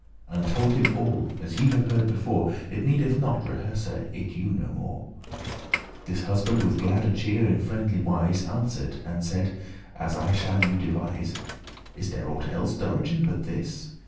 " And told him all, as ye have heard before: It needeth not rehearse it you no more. This husband with glad cheer,* in friendly wise, *demeanour Answer'd and said, as I shall you devise.* *relate "Is there aught elles, Dorigen, but this?"